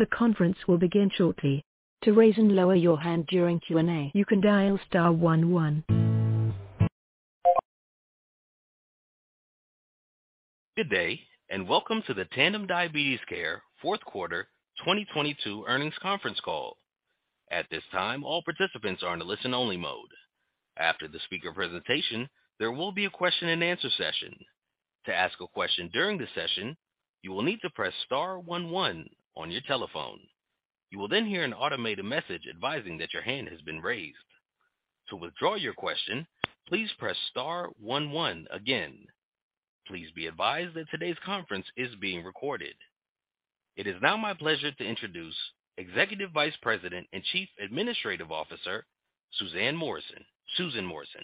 The conference will begin shortly. To raise and lower your hand during Q&A, you can dial star one one. Good day, welcome to the Tandem Diabetes Care fourth quarter 2022 earnings conference call. At this time, all participants are in a listen-only mode. After the speaker presentation, there will be a question-and-answer session. To ask a question during the session, you will need to press star one one on your telephone. You will hear an automated message advising that your hand has been raised. To withdraw your question, please press star one one again. Please be advised that today's conference is being recorded. It is now my pleasure to introduce Executive Vice President and Chief Administrative Officer, Suzanne Morrison, Susan Morrison.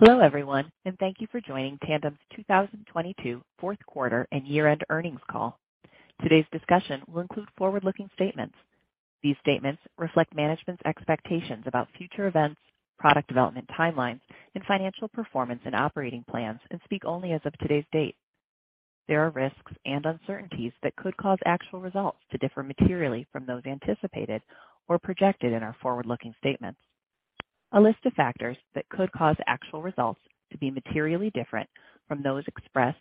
Hello, everyone, and thank you for joining Tandem's 2022 fourth quarter and year-end earnings call. Today's discussion will include forward-looking statements. These statements reflect management's expectations about future events, product development timelines, and financial performance and operating plans and speak only as of today's date. There are risks and uncertainties that could cause actual results to differ materially from those anticipated or projected in our forward-looking statements. A list of factors that could cause actual results to be materially different from those expressed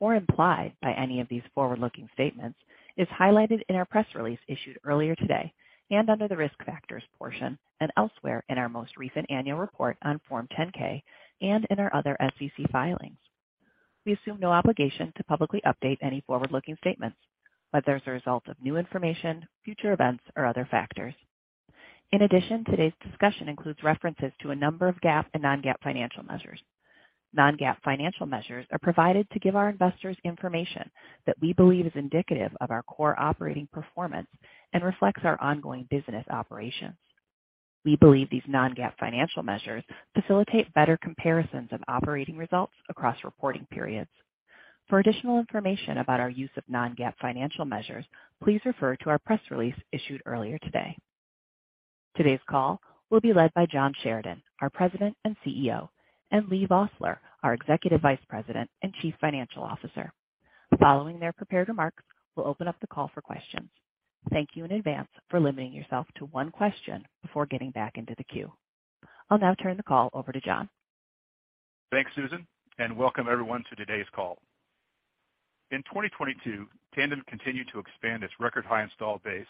or implied by any of these forward-looking statements is highlighted in our press release issued earlier today and under the Risk Factors portion and elsewhere in our most recent annual report on Form 10-K and in our other SEC filings. We assume no obligation to publicly update any forward-looking statements, whether as a result of new information, future events, or other factors. In addition, today's discussion includes references to a number of GAAP and non-GAAP financial measures. Non-GAAP financial measures are provided to give our investors information that we believe is indicative of our core operating performance and reflects our ongoing business operations. We believe these non-GAAP financial measures facilitate better comparisons of operating results across reporting periods. For additional information about our use of non-GAAP financial measures, please refer to our press release issued earlier today. Today's call will be led by John Sheridan, our President and CEO, and Leigh Vosseller, our Executive Vice President and Chief Financial Officer. Following their prepared remarks, we'll open up the call for questions. Thank you in advance for limiting yourself to one question before getting back into the queue. I'll now turn the call over to John. Thanks, Susan. Welcome everyone to today's call. In 2022, Tandem continued to expand its record high install base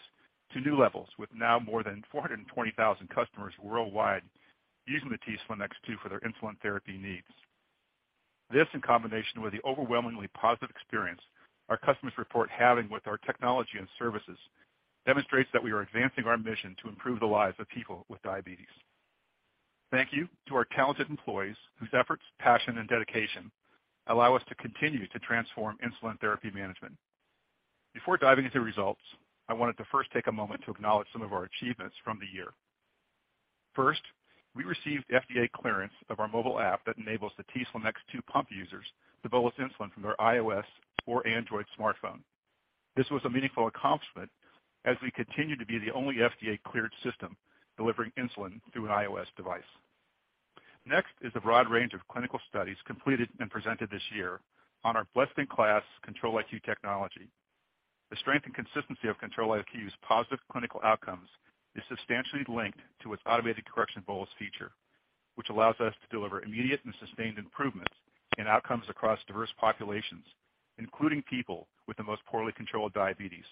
to new levels with now more than 420,000 customers worldwide using the t:slim X2 for their insulin therapy needs. This, in combination with the overwhelmingly positive experience our customers report having with our technology and services, demonstrates that we are advancing our mission to improve the lives of people with diabetes. Thank you to our talented employees whose efforts, passion and dedication allow us to continue to transform insulin therapy management. Before diving into results, I wanted to first take a moment to acknowledge some of our achievements from the year. First, we received FDA clearance of our mobile app that enables the t:slim X2 pump users to bolus insulin from their iOS or Android smartphone. This was a meaningful accomplishment as we continue to be the only FDA-cleared system delivering insulin through an iOS device. Next is the broad range of clinical studies completed and presented this year on our best-in-class Control-IQ technology. The strength and consistency of Control-IQ's positive clinical outcomes is substantially linked to its automated correction bolus feature, which allows us to deliver immediate and sustained improvements in outcomes across diverse populations, including people with the most poorly controlled diabetes.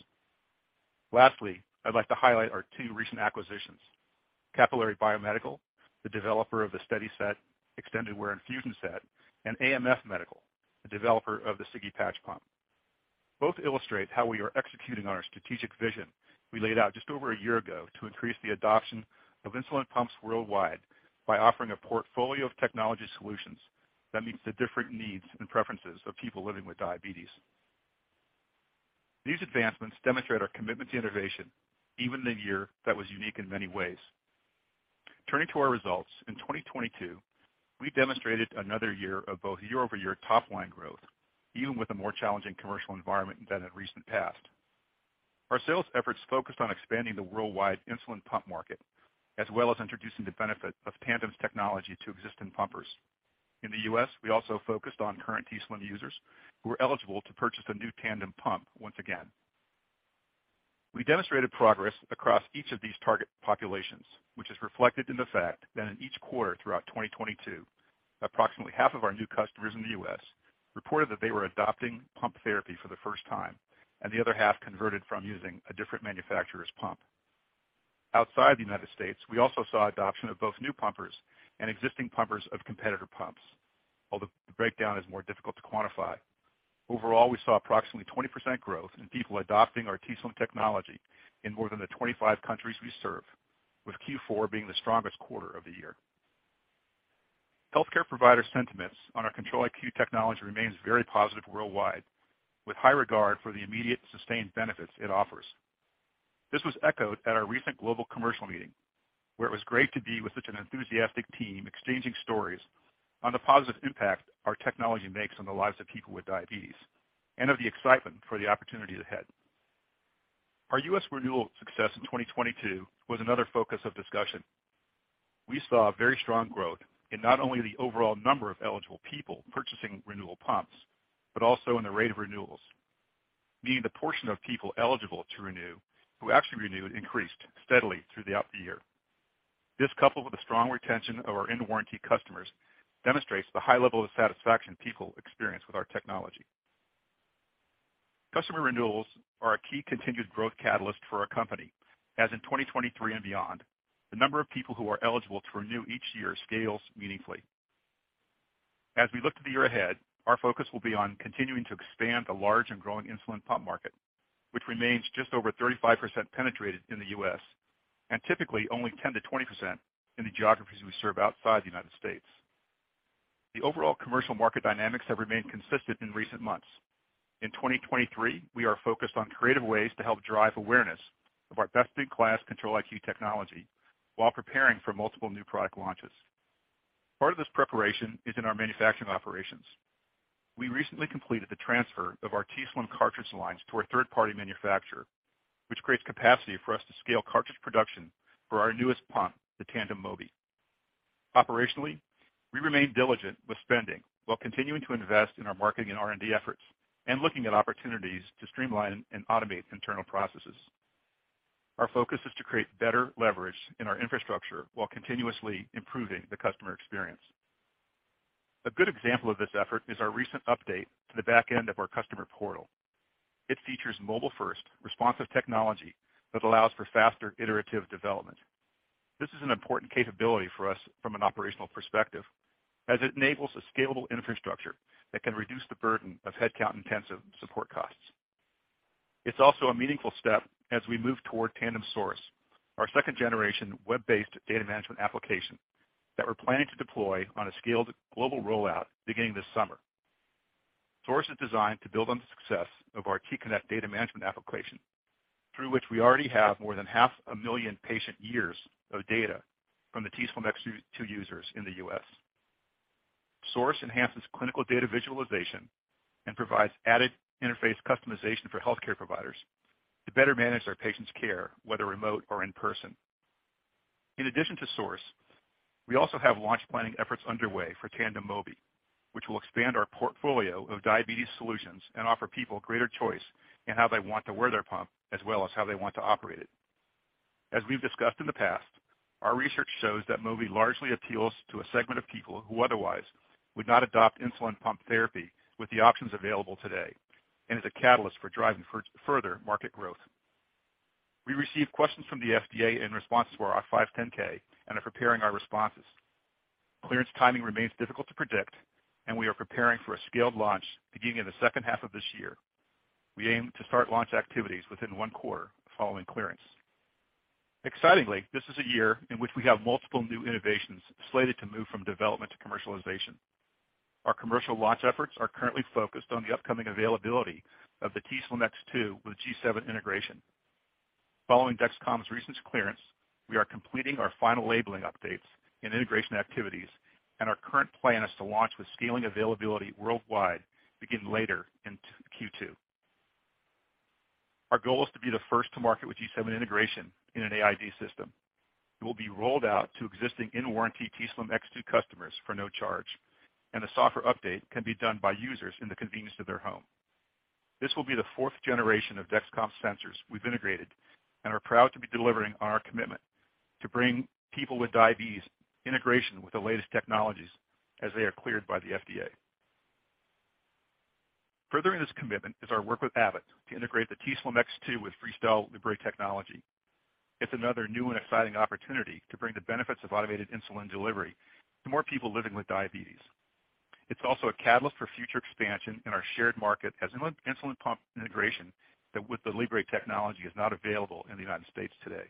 Lastly, I'd like to highlight our two recent acquisitions, Capillary Biomedical, the developer of the SteadiSet extended-wear infusion set, and AMF Medical, the developer of the Sigi Patch Pump. Both illustrate how we are executing on our strategic vision we laid out just over a year ago to increase the adoption of insulin pumps worldwide by offering a portfolio of technology solutions that meets the different needs and preferences of people living with diabetes. These advancements demonstrate our commitment to innovation even in a year that was unique in many ways. Turning to our results, in 2022, we demonstrated another year of both year-over-year top line growth, even with a more challenging commercial environment than in recent past. Our sales efforts focused on expanding the worldwide insulin pump market, as well as introducing the benefit of Tandem's technology to existing pumpers. In the U.S., we also focused on current t:slim users who are eligible to purchase a new Tandem pump once again. We demonstrated progress across each of these target populations, which is reflected in the fact that in each quarter throughout 2022, approximately half of our new customers in the U.S. reported that they were adopting pump therapy for the first time, and the other half converted from using a different manufacturer's pump. Outside the United States, we also saw adoption of both new pumpers and existing pumpers of competitor pumps. The breakdown is more difficult to quantify. Overall, we saw approximately 20% growth in people adopting our t:slim technology in more than the 25 countries we serve, with Q4 being the strongest quarter of the year. Healthcare provider sentiments on our Control-IQ technology remains very positive worldwide, with high regard for the immediate sustained benefits it offers. This was echoed at our recent global commercial meeting, where it was great to be with such an enthusiastic team, exchanging stories on the positive impact our technology makes on the lives of people with diabetes and of the excitement for the opportunity ahead. Our U.S. renewal success in 2022 was another focus of discussion. We saw very strong growth in not only the overall number of eligible people purchasing renewal pumps, but also in the rate of renewals, meaning the portion of people eligible to renew who actually renewed increased steadily throughout the year. This, coupled with the strong retention of our in-warranty customers, demonstrates the high level of satisfaction people experience with our technology. Customer renewals are a key continued growth catalyst for our company, as in 2023 and beyond, the number of people who are eligible to renew each year scales meaningfully. As we look to the year ahead, our focus will be on continuing to expand the large and growing insulin pump market, which remains just over 35% penetrated in the U.S. and typically only 10%-20% in the geographies we serve outside the United States. The overall commercial market dynamics have remained consistent in recent months. In 2023, we are focused on creative ways to help drive awareness of our best-in-class Control-IQ technology while preparing for multiple new product launches. Part of this preparation is in our manufacturing operations. We recently completed the transfer of our t:slim cartridge lines to a third-party manufacturer, which creates capacity for us to scale cartridge production for our newest pump, the Tandem Mobi. Operationally, we remain diligent with spending while continuing to invest in our marketing and R&D efforts and looking at opportunities to streamline and automate internal processes. Our focus is to create better leverage in our infrastructure while continuously improving the customer experience. A good example of this effort is our recent update to the back end of our customer portal. It features mobile-first responsive technology that allows for faster iterative development. This is an important capability for us from an operational perspective, as it enables a scalable infrastructure that can reduce the burden of headcount-intensive support costs. It's also a meaningful step as we move toward Tandem Source, our second-generation web-based data management application that we're planning to deploy on a scaled global rollout beginning this summer. Source is designed to build on the success of our t:connect data management application, through which we already have more than half a million patient years of data from the t:slim X2 users in the U.S. Source enhances clinical data visualization and provides added interface customization for healthcare providers to better manage their patients' care, whether remote or in person. In addition to Source, we also have launch planning efforts underway for Tandem Mobi, which will expand our portfolio of diabetes solutions and offer people greater choice in how they want to wear their pump, as well as how they want to operate it. As we've discussed in the past, our research shows that Mobi largely appeals to a segment of people who otherwise would not adopt insulin pump therapy with the options available today and is a catalyst for driving further market growth. We received questions from the FDA in response to our 510(k) and are preparing our responses. Clearance timing remains difficult to predict and we are preparing for a scaled launch beginning in the second half of this year. We aim to start launch activities within one quarter following clearance. Excitingly, this is a year in which we have multiple new innovations slated to move from development to commercialization. Our commercial launch efforts are currently focused on the upcoming availability of the t:slim X2 with G7 integration. Following Dexcom's recent clearance, we are completing our final labeling updates and integration activities, and our current plan is to launch with scaling availability worldwide beginning later in Q2. Our goal is to be the first to market with G7 integration in an AID system. It will be rolled out to existing in-warranty t:slim X2 customers for no charge, and the software update can be done by users in the convenience of their home. This will be the fourth generation of Dexcom sensors we've integrated and are proud to be delivering on our commitment to bring people with diabetes integration with the latest technologies as they are cleared by the FDA. Furthering this commitment is our work with Abbott to integrate the t:slim X2 with FreeStyle Libre technology. It's another new and exciting opportunity to bring the benefits of automated insulin delivery to more people living with diabetes. It's also a catalyst for future expansion in our shared market as insulin pump integration that with the Libre technology is not available in the United States today.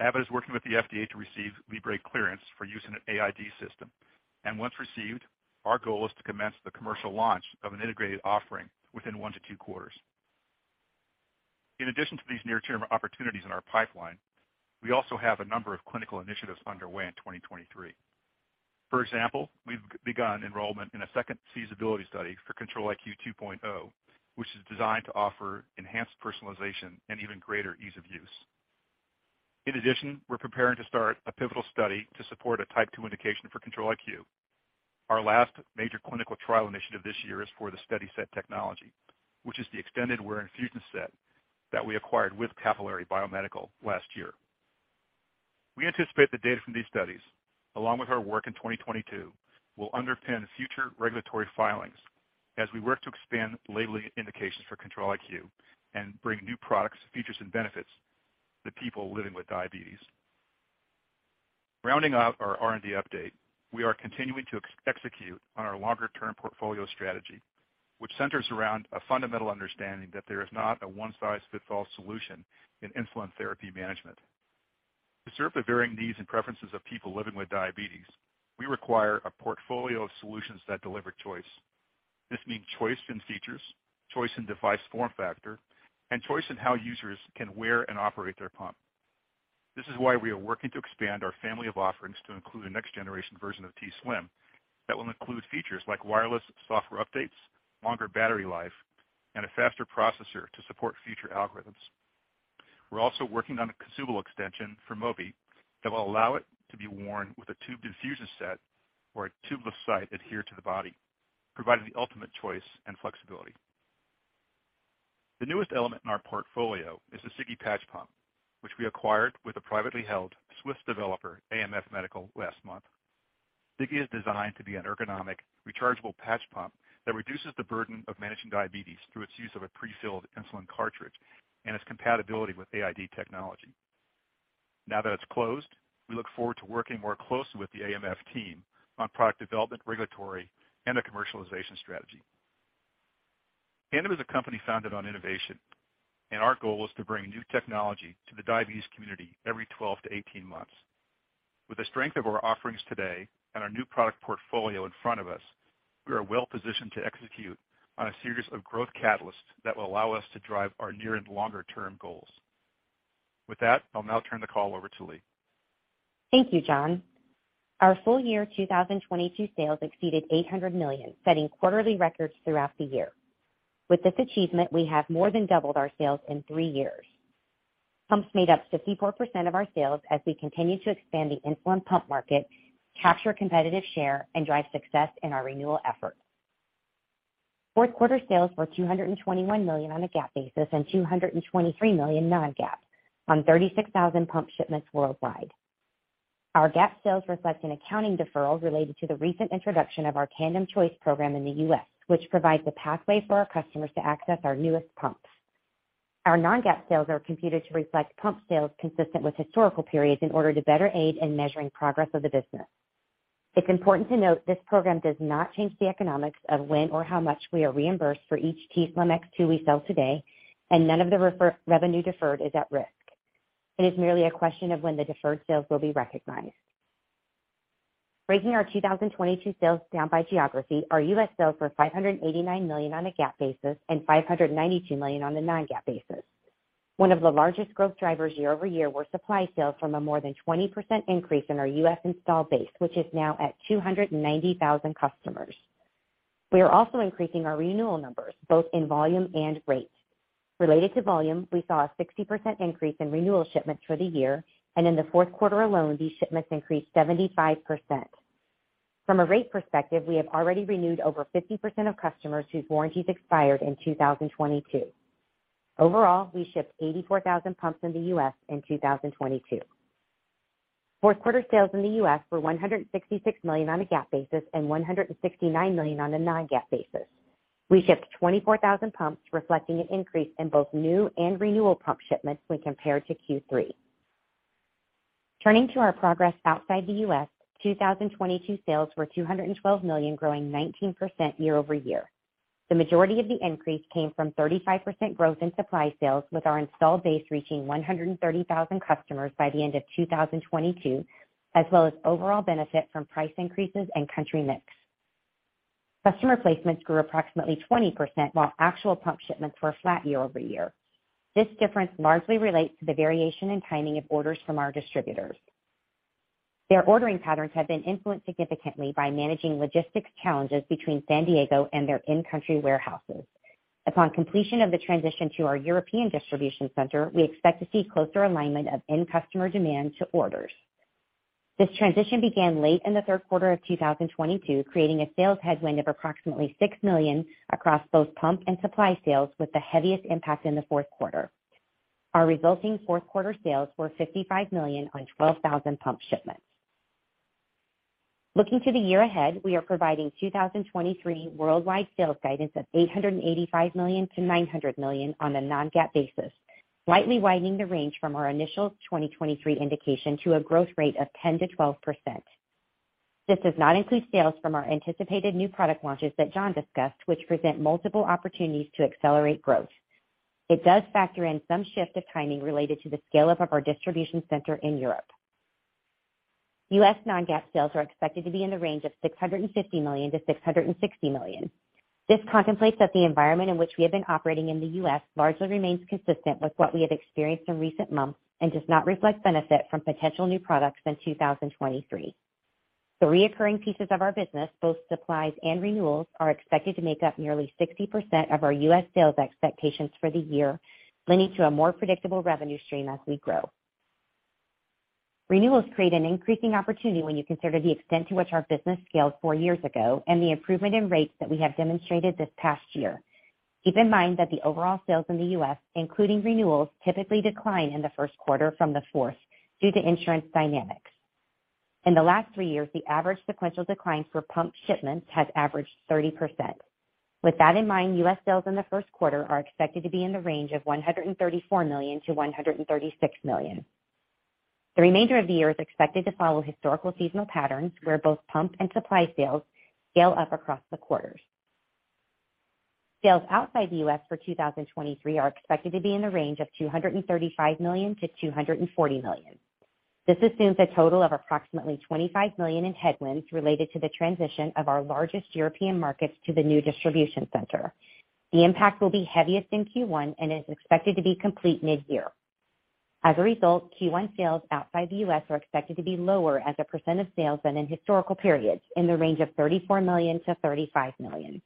Abbott is working with the FDA to receive Libre clearance for use in an AID system. Once received, our goal is to commence the commercial launch of an integrated offering within one to two quarters. In addition to these near-term opportunities in our pipeline, we also have a number of clinical initiatives underway in 2023. For example, we've begun enrollment in a second feasibility study for Control-IQ 2.0, which is designed to offer enhanced personalization and even greater ease of use. In addition, we're preparing to start a pivotal study to support a type 2 indication for Control-IQ. Our last major clinical trial initiative this year is for the SteadiSet technology, which is the extended wear infusion set that we acquired with Capillary Biomedical last year. We anticipate the data from these studies, along with our work in 2022, will underpin future regulatory filings as we work to expand labeling indications for Control-IQ and bring new products, features, and benefits to people living with diabetes. Rounding out our R&D update, we are continuing to execute on our longer-term portfolio strategy, which centers around a fundamental understanding that there is not a one-size-fits-all solution in insulin therapy management. To serve the varying needs and preferences of people living with diabetes, we require a portfolio of solutions that deliver choice. This means choice in features, choice in device form factor, and choice in how users can wear and operate their pump. This is why we are working to expand our family of offerings to include a next-generation version of t:slim that will include features like wireless software updates, longer battery life, and a faster processor to support future algorithms. We're also working on a consumable extension for Mobi that will allow it to be worn with a tubed infusion set or a tubeless site adhered to the body, providing the ultimate choice and flexibility. The newest element in our portfolio is the Sigi patch pump, which we acquired with a privately held Swiss developer, AMF Medical, last month. Sigi is designed to be an ergonomic rechargeable patch pump that reduces the burden of managing diabetes through its use of a prefilled insulin cartridge and its compatibility with AID technology. Now that it's closed, we look forward to working more closely with the AMF team on product development, regulatory, and a commercialization strategy. Tandem is a company founded on innovation, and our goal is to bring new technology to the diabetes community every 12-18 months. With the strength of our offerings today and our new product portfolio in front of us, we are well-positioned to execute on a series of growth catalysts that will allow us to drive our near and longer-term goals. With that, I'll now turn the call over to Leigh. Thank you, John. Our full year 2022 sales exceeded $800 million, setting quarterly records throughout the year. With this achievement, we have more than doubled our sales in three years. Pumps made up 54% of our sales as we continue to expand the insulin pump market, capture competitive share, and drive success in our renewal efforts. Fourth quarter sales were $221 million on a GAAP basis and $223 million non-GAAP on 36,000 pump shipments worldwide. Our GAAP sales reflect an accounting deferral related to the recent introduction of our Tandem Choice program in the U.S., which provides a pathway for our customers to access our newest pumps. Our non-GAAP sales are computed to reflect pump sales consistent with historical periods in order to better aid in measuring progress of the business. It's important to note this program does not change the economics of when or how much we are reimbursed for each t:slim X2 we sell today, and none of the revenue deferred is at risk. It is merely a question of when the deferred sales will be recognized. Breaking our 2022 sales down by geography, our U.S. sales were $589 million on a GAAP basis and $592 million on a non-GAAP basis. One of the largest growth drivers year-over-year were supply sales from a more than 20% increase in our U.S. installed base, which is now at 290,000 customers. We are also increasing our renewal numbers, both in volume and rate. Related to volume, we saw a 60% increase in renewal shipments for the year, and in the fourth quarter alone, these shipments increased 75%. From a rate perspective, we have already renewed over 50% of customers whose warranties expired in 2022. Overall, we shipped 84,000 pumps in the U.S. in 2022. Fourth quarter sales in the U.S. were $166 million on a GAAP basis and $169 million on a non-GAAP basis. We shipped 24,000 pumps, reflecting an increase in both new and renewal pump shipments when compared to Q3. Turning to our progress outside the U.S., 2022 sales were $212 million, growing 19% year-over-year. The majority of the increase came from 35% growth in supply sales, with our installed base reaching 130,000 customers by the end of 2022, as well as overall benefit from price increases and country mix. Customer placements grew approximately 20%, while actual pump shipments were flat year-over-year. This difference largely relates to the variation in timing of orders from our distributors. Their ordering patterns have been influenced significantly by managing logistics challenges between San Diego and their in-country warehouses. Upon completion of the transition to our European distribution center, we expect to see closer alignment of end customer demand to orders. This transition began late in the third quarter of 2022, creating a sales headwind of approximately $6 million across both pump and supply sales, with the heaviest impact in the fourth quarter. Our resulting fourth quarter sales were $55 million on 12,000 pump shipments. Looking to the year ahead, we are providing 2023 worldwide sales guidance of $885 million-$900 million on a non-GAAP basis, slightly widening the range from our initial 2023 indication to a growth rate of 10%-12%. This does not include sales from our anticipated new product launches that John discussed, which present multiple opportunities to accelerate growth. It does factor in some shift of timing related to the scale-up of our distribution center in Europe. U.S. non-GAAP sales are expected to be in the range of $650 million-$660 million. This contemplates that the environment in which we have been operating in the US largely remains consistent with what we have experienced in recent months and does not reflect benefit from potential new products in 2023. The recurring pieces of our business, both supplies and renewals, are expected to make up nearly 60% of our US sales expectations for the year, lending to a more predictable revenue stream as we grow. Renewals create an increasing opportunity when you consider the extent to which our business scaled four years ago and the improvement in rates that we have demonstrated this past year. Keep in mind that the overall sales in the US, including renewals, typically decline in the first quarter from the fourth due to insurance dynamics. In the last three years, the average sequential decline for pump shipments has averaged 30%. With that in mind, U.S. sales in the first quarter are expected to be in the range of $134 million-$136 million. The remainder of the year is expected to follow historical seasonal patterns where both pump and supply sales scale up across the quarters. Sales outside the U.S. for 2023 are expected to be in the range of $235 million-$240 million. This assumes a total of approximately $25 million in headwinds related to the transition of our largest European markets to the new distribution center. The impact will be heaviest in Q1 and is expected to be complete mid-year. As a result, Q1 sales outside the U.S. are expected to be lower as a percent of sales than in historical periods in the range of $34 million-$35 million.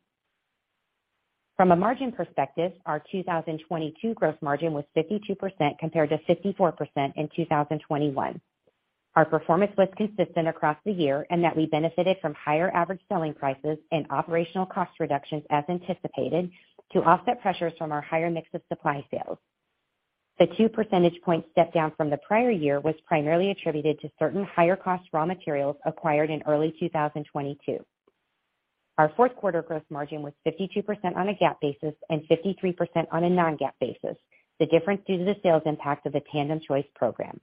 From a margin perspective, our 2022 gross margin was 52% compared to 54% in 2021. Our performance was consistent across the year that we benefited from higher average selling prices and operational cost reductions as anticipated to offset pressures from our higher mix of supply sales. The two percentage points step down from the prior year was primarily attributed to certain higher cost raw materials acquired in early 2022. Our fourth quarter gross margin was 52% on a GAAP basis and 53% on a non-GAAP basis. The difference due to the sales impact of the Tandem Choice Program.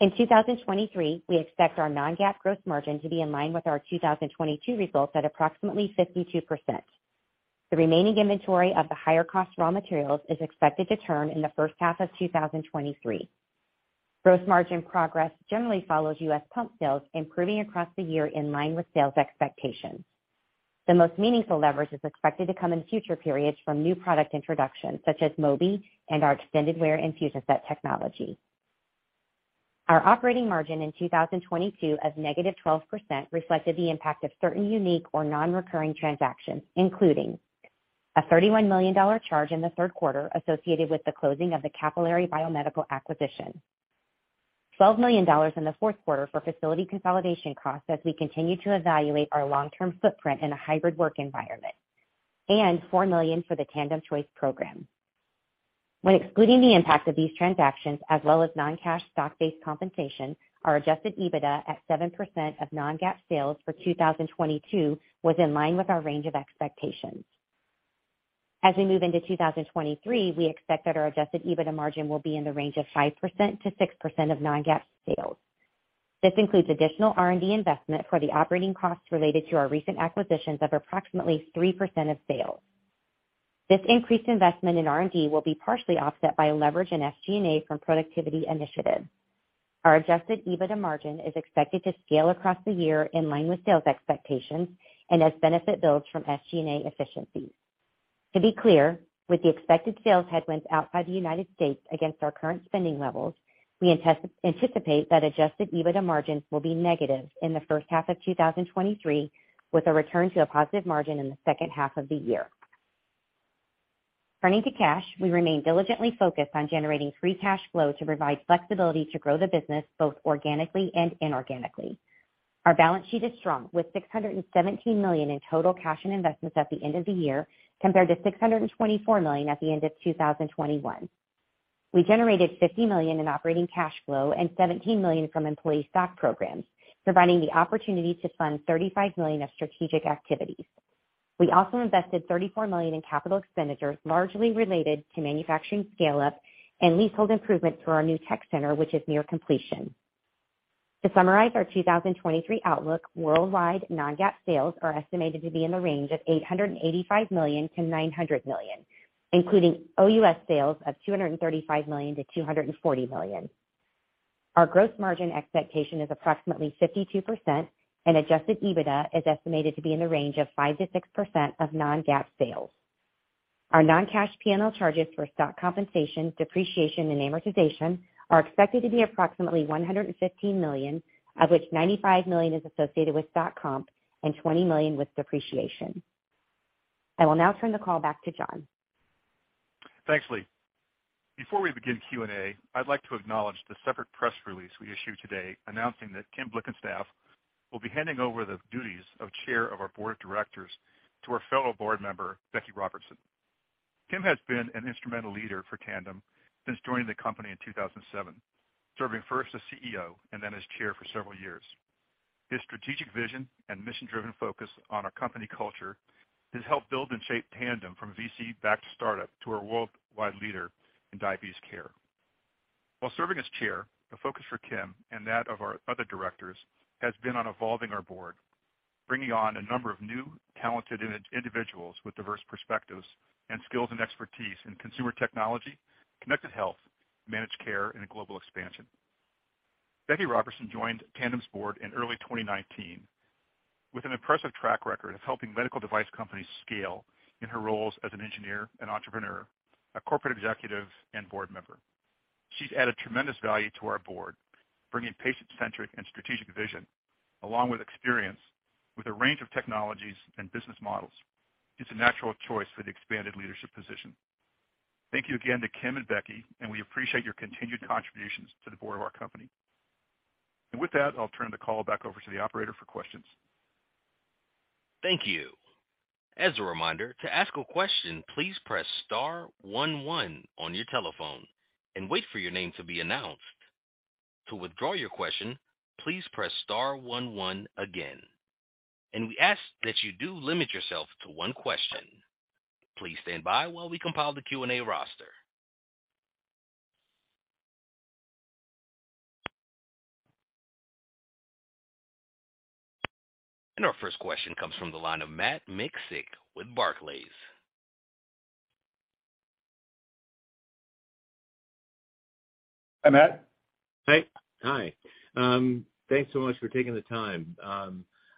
In 2023, we expect our non-GAAP gross margin to be in line with our 2022 results at approximately 52%. The remaining inventory of the higher cost raw materials is expected to turn in the first half of 2023. Gross margin progress generally follows U.S. pump sales, improving across the year in line with sales expectations. The most meaningful leverage is expected to come in future periods from new product introductions such as Mobi and our extended wear infusion set technology. Our operating margin in 2022 of -12% reflected the impact of certain unique or non-recurring transactions, including a $31 million charge in the third quarter associated with the closing of the Capillary Biomedical acquisition. $12 million in the fourth quarter for facility consolidation costs as we continue to evaluate our long-term footprint in a hybrid work environment, and $4 million for the Tandem Choice program. When excluding the impact of these transactions as well as non-cash stock-based compensation, our adjusted EBITDA at 7% of non-GAAP sales for 2022 was in line with our range of expectations. As we move into 2023, we expect that our adjusted EBITDA margin will be in the range of 5%-6% of non-GAAP sales. This includes additional R&D investment for the operating costs related to our recent acquisitions of approximately 3% of sales. This increased investment in R&D will be partially offset by leverage in SG&A from productivity initiatives. Our adjusted EBITDA margin is expected to scale across the year in line with sales expectations and as benefit builds from SG&A efficiencies. To be clear, with the expected sales headwinds outside the United States against our current spending levels, we anticipate that adjusted EBITDA margins will be negative in the first half of 2023, with a return to a positive margin in the second half of the year. Turning to cash, we remain diligently focused on generating free cash flow to provide flexibility to grow the business both organically and inorganically. Our balance sheet is strong with $617 million in total cash and investments at the end of the year, compared to $624 million at the end of 2021. We generated $50 million in operating cash flow and $17 million from employee stock progrAMF, providing the opportunity to fund $35 million of strategic activities. We also invested $34 million in capital expenditures, largely related to manufacturing scale-up and leasehold improvements for our new tech center, which is near completion. To summarize, our 2023 outlook, worldwide non-GAAP sales are estimated to be in the range of $885 million-$900 million, including OUS sales of $235 million-$240 million. Our gross margin expectation is approximately 52% and adjusted EBITDA is estimated to be in the range of 5%-6% of non-GAAP sales. Our non-cash P&L charges for stock compensation, depreciation and amortization are expected to be approximately $115 million, of which $95 million is associated with stock comp and $20 million with depreciation. I will now turn the call back to John. Thanks, Lee. Before we begin Q&A, I'd like to acknowledge the separate press release we issued today announcing that KimBlickenstaff will be handing over the duties of Chair of our Board of Directors to our fellow Board member, Rebecca Robertson. Kim has been an instrumental leader for Tandem since joining the company in 2007, serving first as CEO and then as Chair for several years. His strategic vision and mission-driven focus on our company culture has helped build and shape Tandem from VC-backed startup to a worldwide leader in diabetes care. While serving as Chair, the focus for Kim and that of our other directors has been on evolving our Board, bringing on a number of new talented individuals with diverse perspectives and skills and expertise in consumer technology, connected health, managed care, and global expansion. Rebecca Robertson joined Tandem's board in early 2019 with an impressive track record of helping medical device companies scale in her roles as an engineer and entrepreneur, a corporate executive and board member. She's added tremendous value to our board, bringing patient-centric and strategic vision along with experience with a range of technologies and business models. It's a natural choice for the expanded leadership position. Thank you again to Kim and Becky, and we appreciate your continued contributions to the board of our company. With that, I'll turn the call back over to the operator for questions. Thank you. As a reminder, to ask a question, please press star one one on your telephone and wait for your name to be announced. To withdraw your question, please press star one one again. We ask that you do limit yourself to one question. Please stand by while we compile the Q&A roster. Our first question comes from the line of Matt Miksic with Barclays. Hi, Matt. Hi. Hi. Thanks so much for taking the time.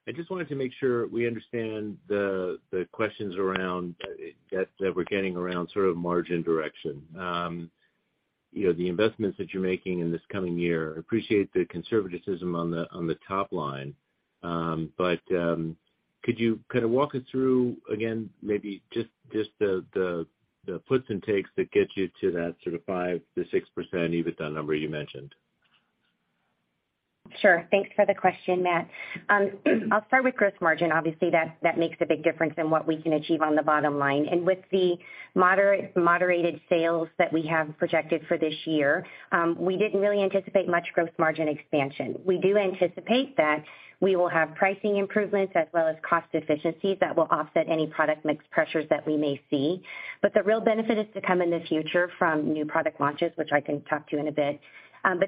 I just wanted to make sure we understand the questions around that we're getting around sort of margin direction. You know, the investments that you're making in this coming year, I appreciate the conservatism on the top line. Could you kind of walk us through, again, maybe just the puts and takes that get you to that sort of 5% to 6% EBITDA number you mentioned? Sure. Thanks for the question, Matt. I'll start with gross margin. Obviously, that makes a big difference in what we can achieve on the bottom line. With the moderated sales that we have projected for this year, we didn't really anticipate much gross margin expansion. We do anticipate that we will have pricing improvements as well as cost efficiencies that will offset any product mix pressures that we may see. The real benefit is to come in the future from new product launches, which I can talk to in a bit.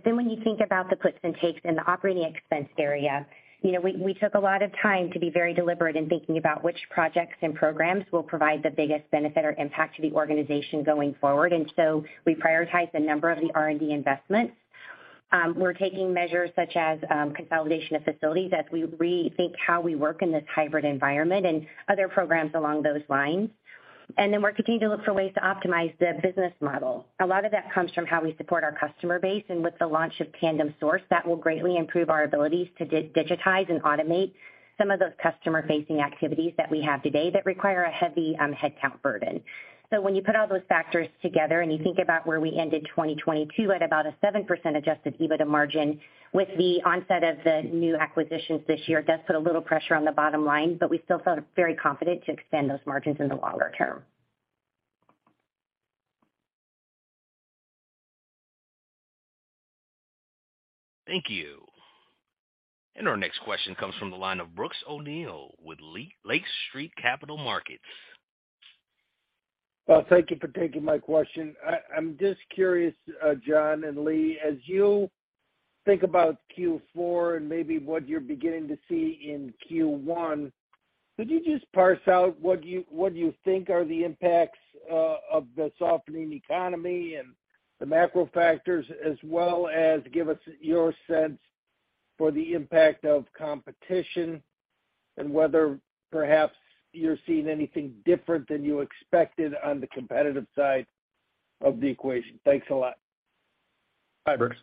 When you think about the puts and takes in the operating expense area, you know, we took a lot of time to be very deliberate in thinking about which projects and progrAMF will provide the biggest benefit or impact to the organization going forward. We prioritized a number of the R&D investments. We're taking measures such as consolidation of facilities as we rethink how we work in this hybrid environment and other progrAMF along those lines. We're continuing to look for ways to optimize the business model. A lot of that comes from how we support our customer base, and with the launch of Tandem Source, that will greatly improve our abilities to digitize and automate some of those customer-facing activities that we have today that require a heavy, headcount burden. When you put all those factors together, and you think about where we ended 2022 at about a 7% adjusted EBITDA margin with the onset of the new acquisitions this year, it does put a little pressure on the bottom line, but we still felt very confident to extend those margins in the longer term. Thank you. Our next question comes from the line of Brooks O'Neil with Lake Street Capital Markets. Well, thank you for taking my question. I'm just curious, John and Leigh, as you think about Q4 and maybe what you're beginning to see in Q1, could you just parse out what you think are the impacts of the softening economy and the macro factors, as well as give us your sense for the impact of competition and whether perhaps you're seeing anything different than you expected on the competitive side of the equation? Thanks a lot. Hi, Brooks.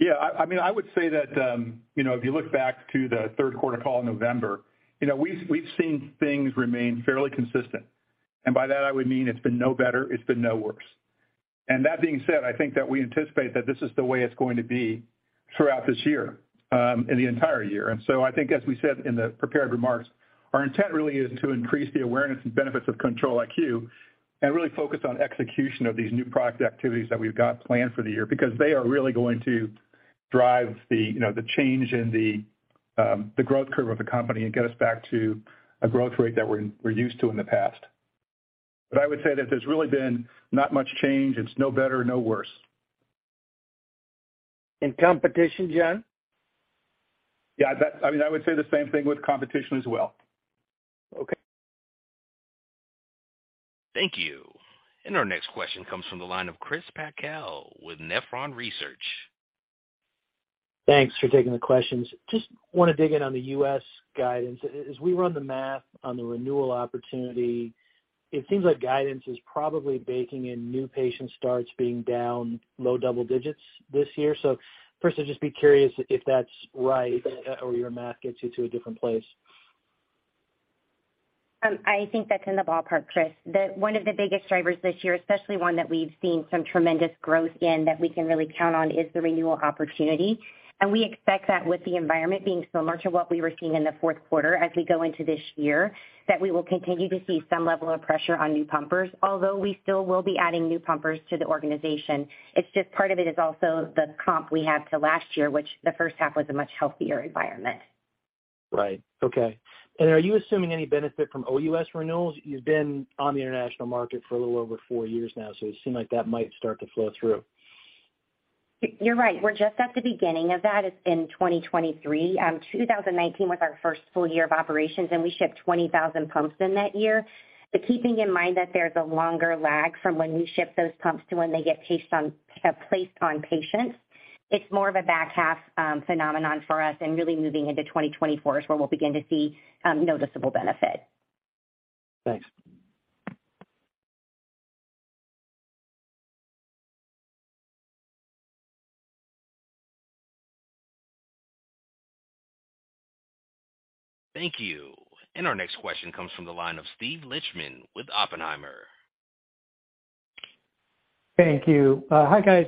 I mean, I would say that, you know, if you look back to the third quarter call in November, you know, we've seen things remain fairly consistent. By that, I would mean it's been no better, it's been no worse. That being said, I think that we anticipate that this is the way it's going to be throughout this year, in the entire year. So I think as we said in the prepared remarks, our intent really is to increase the awareness and benefits of Control-IQ and really focus on execution of these new product activities that we've got planned for the year, because they are really going to drive the, you know, the change in the growth curve of the company and get us back to a growth rate that we're used to in the past. I would say that there's really been not much change. It's no better or no worse. Competition, John? Yeah, I mean, I would say the same thing with competition as well. Okay. Thank you. Our next question comes from the line of Chris Pasquale with Nephron Research. Thanks for taking the questions. Just wanna dig in on the U.S. guidance. as we run the math on the renewal opportunity, it seems like guidance is probably baking in new patient starts being down low double digits this year. First, I'd just be curious if that's right or your math gets you to a different place. I think that's in the ballpark, Chris. One of the biggest drivers this year, especially one that we've seen some tremendous growth in that we can really count on, is the renewal opportunity. We expect that with the environment being similar to what we were seeing in the fourth quarter as we go into this year, that we will continue to see some level of pressure on new pumpers, although we still will be adding new pumpers to the organization. It's just part of it is also the comp we had to last year, which the first half was a much healthier environment. Right. Okay. Are you assuming any benefit from OUS renewals? You've been on the international market for a little over four years now, so it seemed like that might start to flow through. You're right. We're just at the beginning of that. It's been 2023. 2019 was our first full year of operations, and we shipped 20,000 pumps in that year. Keeping in mind that there's a longer lag from when we ship those pumps to when they get placed on patients, it's more of a back half phenomenon for us, really moving into 2024 is where we'll begin to see noticeable benefit. Thanks. Thank you. Our next question comes from the line of Steven Lichtman with Oppenheimer. Thank you. Hi, guys.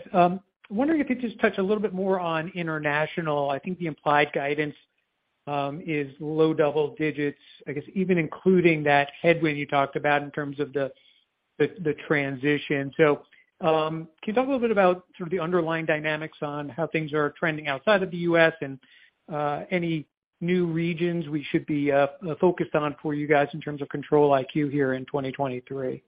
Wondering if you'd just touch a little bit more on international. I think the implied guidance is low double digits, I guess even including that headwind you talked about in terms of the transition. Can you talk a little bit about sort of the underlying dynamics on how things are trending outside of the US and any new regions we should be focused on for you guys in terms of Control-IQ here in 2023?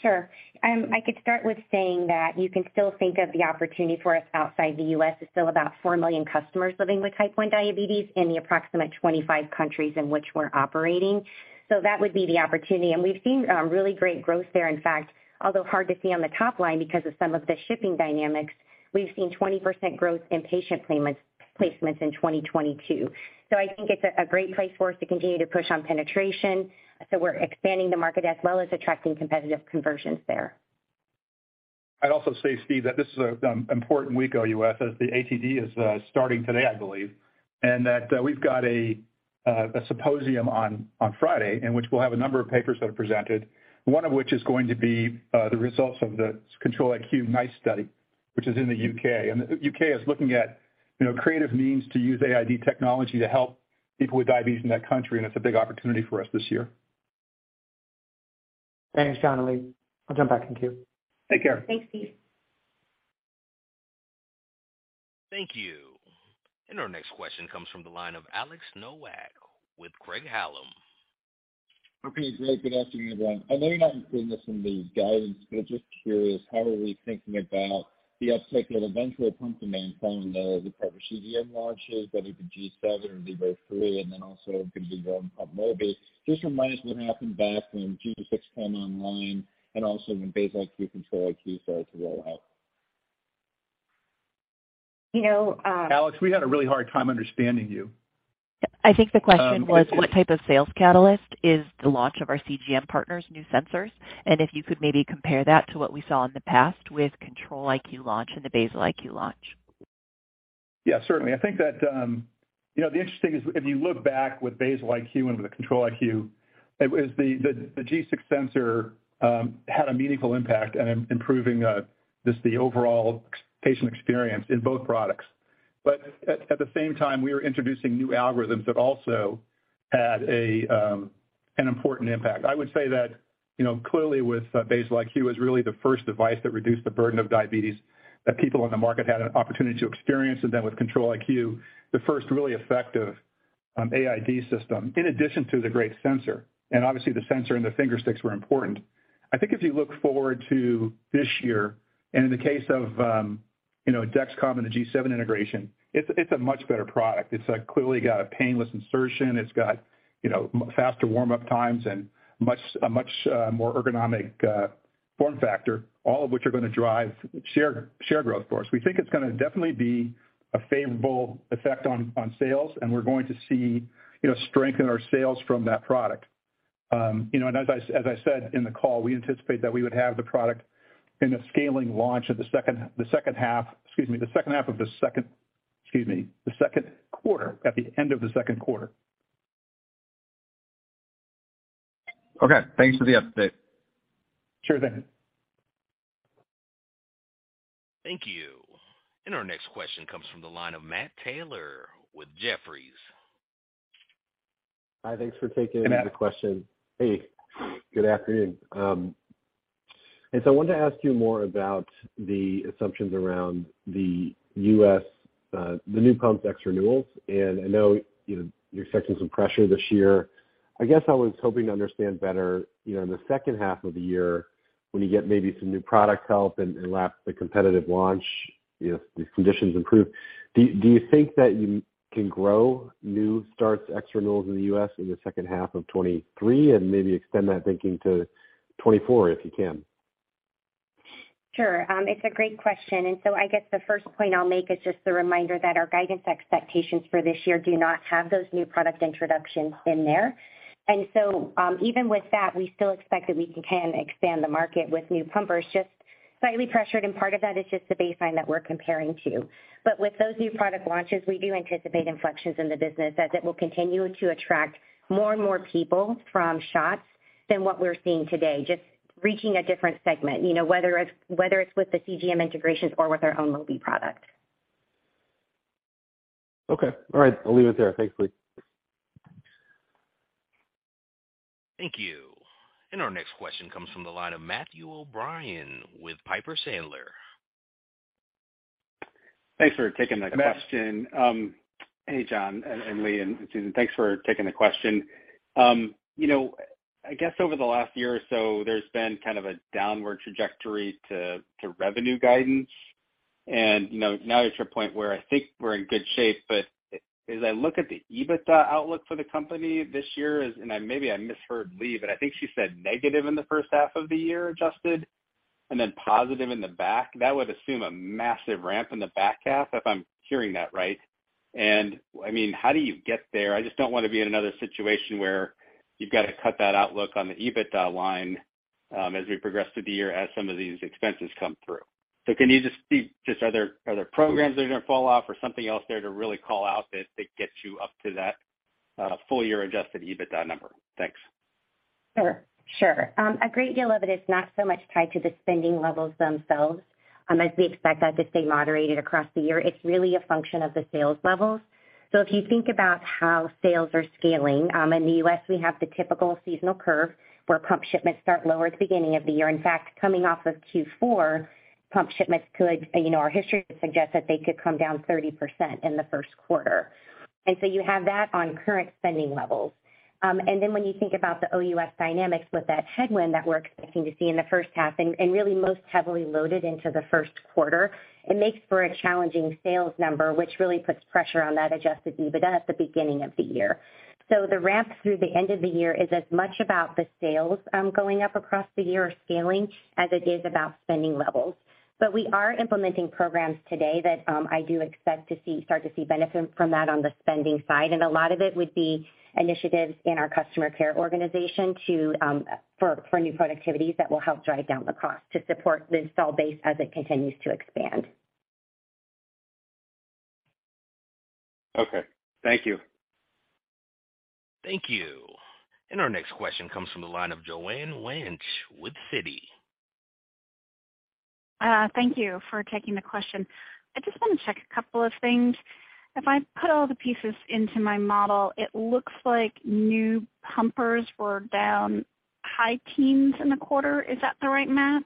Sure. I could start with saying that you can still think of the opportunity for us outside the U.S. is still about 4 million customers living with type 1 diabetes in the approximate 25 countries in which we're operating. That would be the opportunity. We've seen really great growth there. In fact, although hard to see on the top line because of some of the shipping dynamics, we've seen 20% growth in patient placements in 2022. I think it's a great place for us to continue to push on penetration. We're expanding the market as well as attracting competitive conversions there. I'd also say, Steve, that this is a important week OUS as the ATTD is starting today, I believe, and that we've got a symposium on Friday in which we'll have a number of papers that are presented, one of which is going to be the results of the Control-IQ NICE study, which is in the U.K. The U.K. is looking at, you know, creative means to use AID technology to help people with diabetes in that country. It's a big opportunity for us this year. Thanks, John and Leigh. I'll jump back in queue. Take care. Thanks, Steve. Thank you. Our next question comes from the line of Alex Nowak with Craig-Hallum. Okay, great. Good afternoon, everyone. I know you're not including this in the guidance, but just curious, how are we thinking about the uptake of eventual pump demand from the recovered CGM launches, whether it be G7 or Libre 3, and then also going to be Mobi. Just reminds what happened back when G6 came online and also when Basal-IQ Control-IQ started to roll out. You know. Alex, we had a really hard time understanding you. I think the question was, what type of sales catalyst is the launch of our CGM partners' new sensors? If you could maybe compare that to what we saw in the past with Control-IQ launch and the Basal-IQ launch. Yeah, certainly. I think that, you know, the interesting is if you look back with Basal-IQ and with the Control-IQ, is the G6 sensor had a meaningful impact on improving just the overall patient experience in both products. At the same time, we were introducing new algorithms that also had an important impact. I would say that, you know, clearly with Basal-IQ is really the first device that reduced the burden of diabetes that people in the market had an opportunity to experience. With Control-IQ, the first really effective AID system, in addition to the great sensor, and obviously the sensor and the fingersticks were important. I think if you look forward to this year, in the case of, you know, Dexcom and the G7 integration, it's a much better product. It's clearly got a painless insertion. It's got, you know, faster warm-up times and much, a much more ergonomic form factor, all of which are gonna drive share growth for us. We think it's gonna definitely be a favorable effect on sales. We're going to see, you know, strength in our sales from that product. You know, as I said in the call, we anticipate that we would have the product in a scaling launch of the second half... Excuse me, the second half of the second quarter, at the end of the second quarter. Okay. Thanks for the update. Sure thing. Thank you. Our next question comes from the line of Matt Taylor with Jefferies. Hi. Thanks for taking the question. Hey, Matt. Hey, good afternoon. I wanted to ask you more about the assumptions around the U.S., the new pump's extra renewals. I know, you know, you're expecting some pressure this year. I guess I was hoping to understand better, you know, in the second half of the year when you get maybe some new product help and lap the competitive launch, if the conditions improve, do you think that you can grow new starts, extra renewals in the U.S. in the second half of 2023 and maybe extend that thinking to 2024, if you can? Sure. It's a great question. I guess the first point I'll make is just the reminder that our guidance expectations for this year do not have those new product introductions in there. Even with that, we still expect that we can expand the market with new pumpers, just slightly pressured, and part of that is just the baseline that we're comparing to. With those new product launches, we do anticipate inflections in the business as it will continue to attract more and more people from shots than what we're seeing today. Just reaching a different segment, you know, whether it's with the CGM integrations or with our own Mobi product. Okay. All right. I'll leave it there. Thanks, Lee. Thank you. Our next question comes from the line of Matthew O'Brien with Piper Sandler. Thanks for taking the question. Hey, John and Lee and Susan, thanks for taking the question. You know, I guess over the last year or so, there's been kind of a downward trajectory to revenue guidance. You know, now you're at your point where I think we're in good shape. As I look at the EBITDA outlook for the company this year is, and I maybe I misheard Lee, but I think she said negative in the first half of the year, adjusted, and then positive in the back. That would assume a massive ramp in the back half if I'm hearing that right. I mean, how do you get there? I just don't wanna be in another situation where you've got to cut that outlook on the EBITDA line, as we progress through the year, as some of these expenses come through. Can you are there progrAMF that are gonna fall off or something else there to really call out that gets you up to that, full year adjusted EBITDA number? Thanks. Sure. Sure. A great deal of it is not so much tied to the spending levels themselves, as we expect that to stay moderated across the year. It's really a function of the sales levels. If you think about how sales are scaling, in the U.S., we have the typical seasonal curve where pump shipments start lower at the beginning of the year. In fact, coming off of Q4 pump shipments could, you know, our history suggests that they could come down 30% in the first quarter. You have that on current spending levels. When you think about the OUS dynamics with that headwind that we're expecting to see in the first half and really most heavily loaded into the first quarter, it makes for a challenging sales number, which really puts pressure on that adjusted EBITDA at the beginning of the year. The ramp through the end of the year is as much about the sales going up across the year or scaling as it is about spending levels. We are implementing progrAMF today that I do expect to start to see benefit from that on the spending side. A lot of it would be initiatives in our customer care organization to for new productivities that will help drive down the cost to support the install base as it continues to expand. Okay, thank you. Thank you. Our next question comes from the line of Joanne Wuensch with Citi. Thank you for taking the question. I just wanna check a couple of things. If I put all the pieces into my model, it looks like new pumpers were down high teens in the quarter. Is that the right math?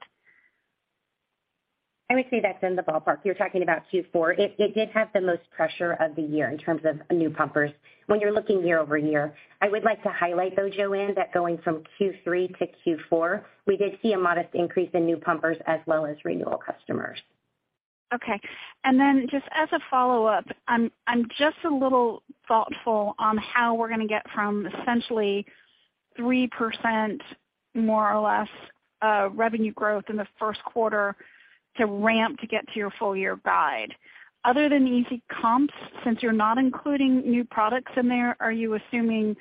I would say that's in the ballpark. You're talking about Q4. It did have the most pressure of the year in terms of new pumpers when you're looking year-over-year. I would like to highlight though, Joanne, that going from Q3 to Q4, we did see a modest increase in new pumpers as well as renewal customers. Okay. Just as a follow-up, I'm just a little thoughtful on how we're gonna get from essentially 3% more or less revenue growth in the first quarter to ramp to get to your full year guide. Other than easy comps, since you're not including new products in there, are you assuming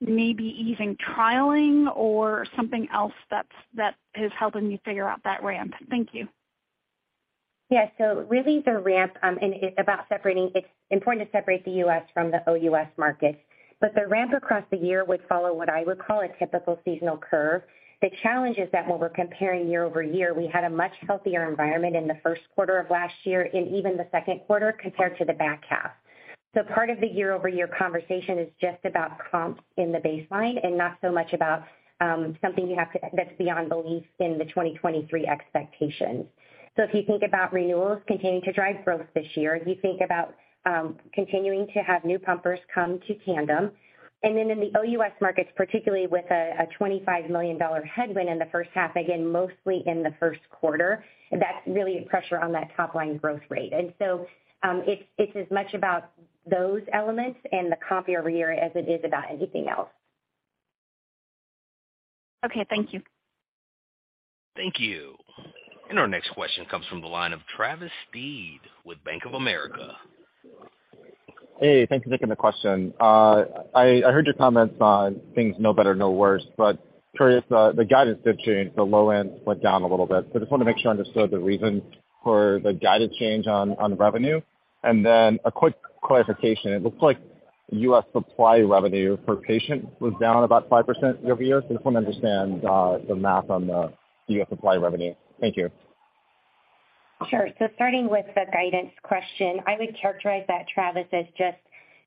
maybe easing trialing or something else that is helping you figure out that ramp? Thank you. Yeah. Really the ramp, and it's about separating. It's important to separate the US from the OUS markets. The ramp across the year would follow what I would call a typical seasonal curve. The challenge is that when we're comparing year-over-year, we had a much healthier environment in the first quarter of last year and even the second quarter compared to the back half. Part of the year-over-year conversation is just about comps in the baseline and not so much about, something that's beyond belief in the 2023 expectations. If you think about renewals continuing to drive growth this year, you think about, continuing to have new pumpers come to Tandem. In the OUS markets, particularly with a $25 million headwind in the first half, again, mostly in the first quarter. That's really a pressure on that top line growth rate. It's as much about those elements and the comp year-over-year as it is about anything else. Okay. Thank you. Thank you. Our next question comes from the line of Travis Steed with Bank of America. Hey, thank you for taking the question. I heard your comments on things no better, no worse, but curious, the guidance did change. The low end went down a little bit. I just wanted to make sure I understood the reason for the guidance change on revenue. A quick clarification. It looks like U.S. supply revenue per patient was down about 5% year-over-year. Just want to understand the math on the U.S. supply revenue. Thank you. Sure. Starting with the guidance question, I would characterize that, Travis, as just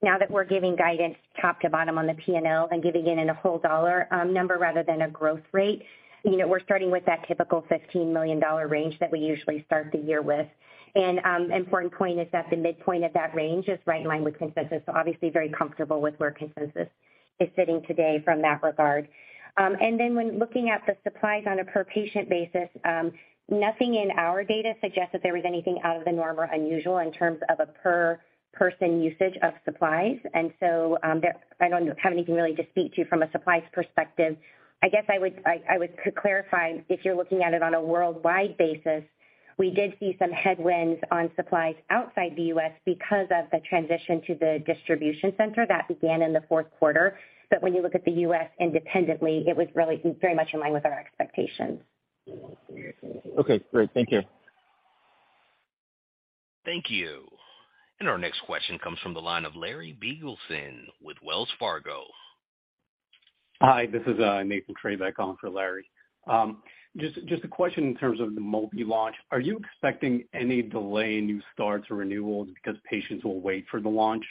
now that we're giving guidance top to bottom on the P&L and giving it in a whole dollar number rather than a growth rate. You know, we're starting with that typical $15 million range that we usually start the year with. Important point is that the midpoint of that range is right in line with consensus, obviously very comfortable with where consensus is sitting today from that regard. When looking at the supplies on a per patient basis, nothing in our data suggests that there was anything out of the norm or unusual in terms of a per person usage of supplies. I don't have anything really to speak to from a supplies perspective. I guess I would clarify, if you're looking at it on a worldwide basis, we did see some headwinds on supplies outside the U.S. because of the transition to the distribution center that began in the fourth quarter. When you look at the U.S. independently, it was really very much in line with our expectations. Okay, great. Thank you. Thank you. Our next question comes from the line of Larry Biegelsen with Wells Fargo. Hi, this is Nathan Treybeck calling for Larry. Just a question in terms of the Mobi launch. Are you expecting any delay in new starts or renewals because patients will wait for the launch?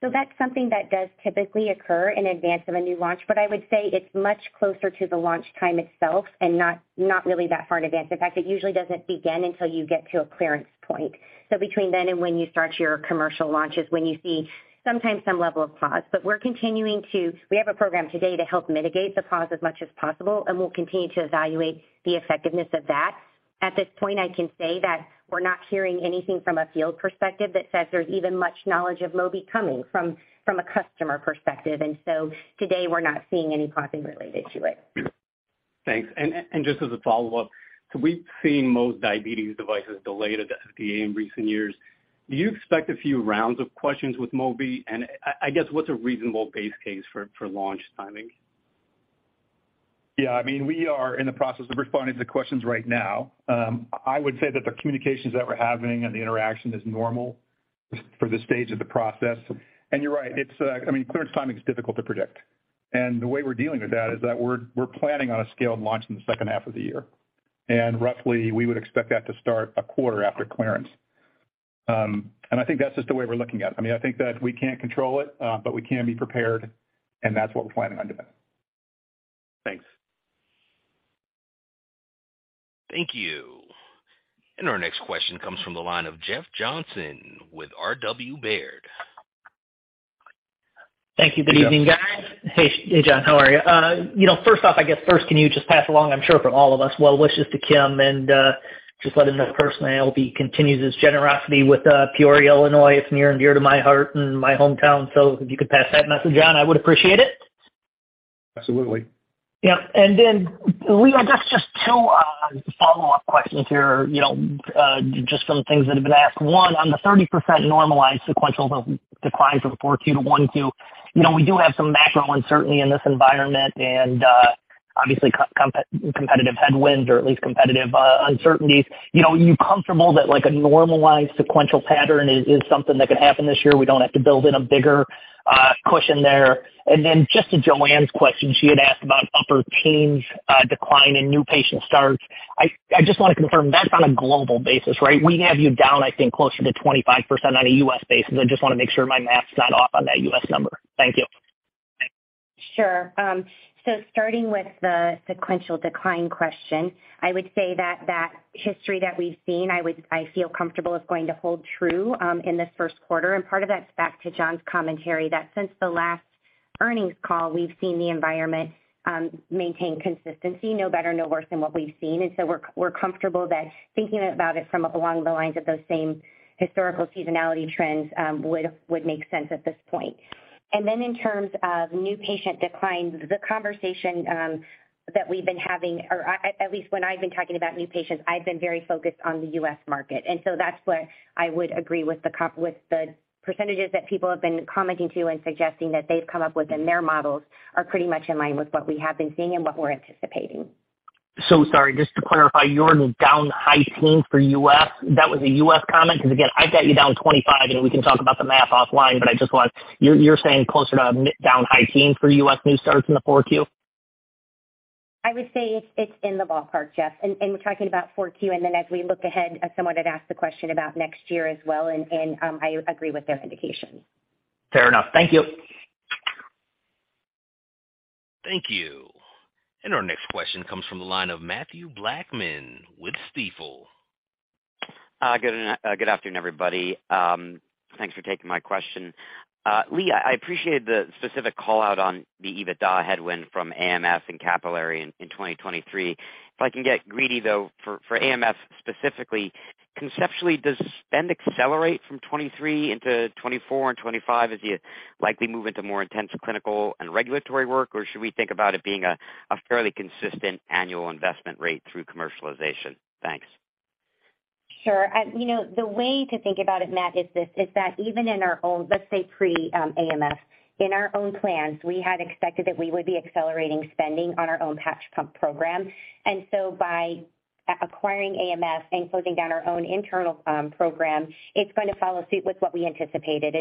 That's something that does typically occur in advance of a new launch, but I would say it's much closer to the launch time itself and not really that far in advance. In fact, it usually doesn't begin until you get to a clearance point. Between then and when you start your commercial launch is when you see sometimes some level of pause. We're continuing. We have a program today to help mitigate the pause as much as possible, and we'll continue to evaluate the effectiveness of that. At this point, I can say that we're not hearing anything from a field perspective that says there's even much knowledge of Tandem Mobi coming from a customer perspective. Today we're not seeing any pausing related to it. Thanks. Just as a follow-up, we've seen most diabetes devices delayed at the FDA in recent years. Do you expect a few rounds of questions with Mobi? I guess, what's a reasonable base case for launch timing? Yeah. I mean, we are in the process of responding to questions right now. I would say that the communications that we're having and the interaction is normal for this stage of the process. You're right, it's, I mean, clearance timing is difficult to predict. The way we're dealing with that is that we're planning on a scaled launch in the second half of the year. Roughly we would expect that to start a quarter after clearance. I think that's just the way we're looking at it. I mean, I think that we can't control it, but we can be prepared, and that's what we're planning on doing. Thanks. Thank you. Our next question comes from the line of Jeff Johnson with RW Baird. Thank you. Good evening, guys. Hey, John, how are you? you know, first off, I guess first can you just pass along, I'm sure from all of us, well wishes to Kim and, just let him know personally I hope he continues his generosity with, Peoria, Illinois. It's near and dear to my heart and my hometown. If you could pass that message on, I would appreciate it. Absolutely. Yeah. Leigh, I guess just two follow-up questions here, you know, just from the things that have been asked. One, on the 30% normalized sequential decline from Q4 to Q1. You know, we do have some macro uncertainty in this environment and obviously competitive headwinds or at least competitive uncertainties. You know, are you comfortable that like a normalized sequential pattern is something that could happen this year? We don't have to build in a bigger cushion there. Just to Joanne's question, she had asked about upper teens decline in new patient starts. I just wanna confirm that's on a global basis, right? We have you down, I think, closer to 25% on a U.S. basis. I just wanna make sure my math's not off on that U.S. number. Thank you. Sure. Starting with the sequential decline question, I feel comfortable that that history that we've seen is going to hold true in this first quarter. Part of that's back to John's commentary that since the last earnings call, we've seen the environment maintain consistency, no better, no worse than what we've seen. We're comfortable that thinking about it from along the lines of those same historical seasonality trends would make sense at this point. In terms of new patient declines, the conversation that we've been having or at least when I've been talking about new patients, I've been very focused on the U.S. market. That's where I would agree with the percentages that people have been commenting to and suggesting that they've come up with in their models are pretty much in line with what we have been seeing and what we're anticipating. Sorry, just to clarify, you're down high teens for U.S. That was a U.S. comment 'cause again, I've got you down 25 and we can talk about the math offline, but I just want. You're saying closer to mid down high teens for U.S. new starts in the 4Q? I would say it's in the ballpark, Jeff. We're talking about 42. As we look ahead as someone had asked the question about next year as well I agree with their indication. Fair enough. Thank you. Thank you. Our next question comes from the line of Mathew Blackman with Stifel. Good afternoon, everybody. Thanks for taking my question. Leigh, I appreciate the specific call-out on the EBITDA headwind from AMF and Capillary in 2023. If I can get greedy, though, for AMF specifically, conceptually, does spend accelerate from 2023 into 2024 and 2025 as you likely move into more intense clinical and regulatory work? Or should we think about it being a fairly consistent annual investment rate through commercialization? Thanks. Sure. You know, the way to think about it, Matt, is this, is that even in our own, let's say pre, AMF Medical, in our own plans, we had expected that we would be accelerating spending on our own patch pump program. By acquiring AMF Medical and closing down our own internal program, it's gonna follow suit with what we anticipated.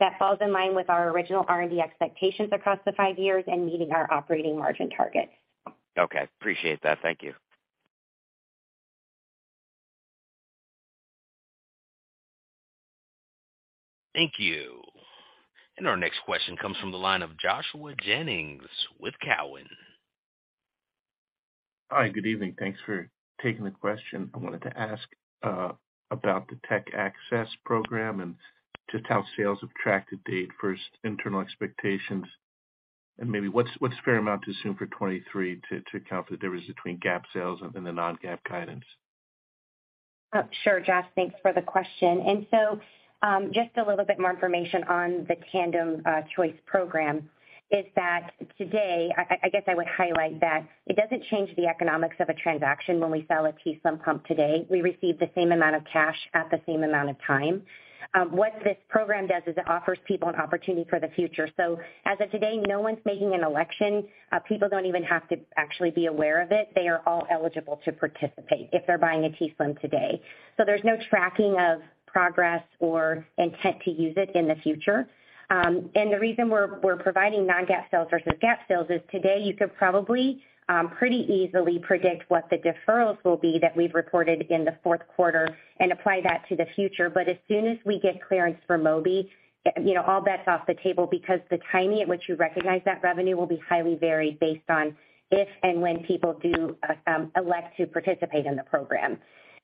That falls in line with our original R&D expectations across the five years and meeting our operating margin targets. Okay. Appreciate that. Thank you. Thank you. Our next question comes from the line of Joshua Jennings with Cowen. Hi, good evening. Thanks for taking the question. I wanted to ask about the tech access program and just how sales have tracked to date versus internal expectations. Maybe what's fair amount to assume for 2023 to account for the difference between GAAP sales and the non-GAAP guidance? Sure, Joshua. Thanks for the question. Just a little bit more information on the Tandem Choice program is that today, I guess I would highlight that it doesn't change the economics of a transaction when we sell a t:slim pump today. We receive the same amount of cash at the same amount of time. What this program does is it offers people an opportunity for the future. As of today, no one's making an election. People don't even have to actually be aware of it. They are all eligible to participate if they're buying a t:slim today. There's no tracking of progress or intent to use it in the future. The reason we're providing non-GAAP sales versus GAAP sales is today you could probably pretty easily predict what the deferrals will be that we've reported in the fourth quarter and apply that to the future. As soon as we get clearance for Mobi, you know, all bets off the table because the timing at which you recognize that revenue will be highly varied based on if and when people do elect to participate in the program.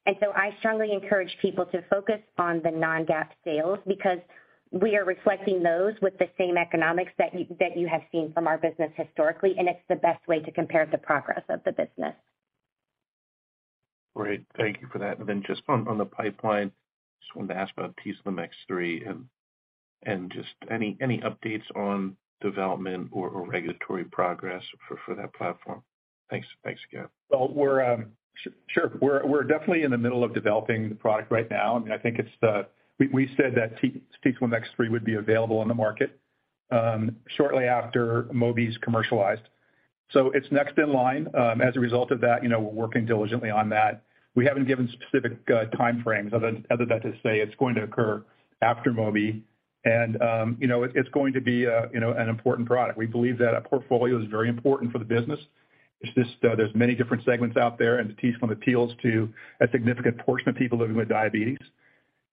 I strongly encourage people to focus on the non-GAAP sales because we are reflecting those with the same economics that you have seen from our business historically, and it's the best way to compare the progress of the business. Great. Thank you for that. Just on the pipeline, just wanted to ask about t:slim X3 and just any updates on development or regulatory progress for that platform. Thanks. Thanks again. Well, we're. Sure. We're definitely in the middle of developing the product right now. I mean, I think it's the we said that t:slim X3 would be available on the market, shortly after Mobi's commercialized. It's next in line. As a result of that, you know, we're working diligently on that. We haven't given specific time frames other than to say it's going to occur after Mobi. You know, it's going to be a, you know, an important product. We believe that a portfolio is very important for the business. It's just, there's many different segments out there, and the t:slim appeals to a significant portion of people living with diabetes.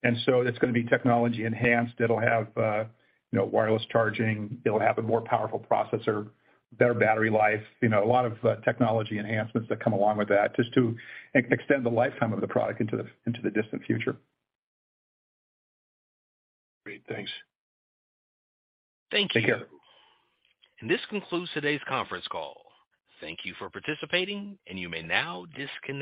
It's gonna be technology enhanced. It'll have, you know, wireless charging. It'll have a more powerful processor, better battery life, you know, a lot of technology enhancements that come along with that just to extend the lifetime of the product into the, into the distant future. Great. Thanks. Thank you. Take care. This concludes today's conference call. Thank you for participating, and you may now disconnect.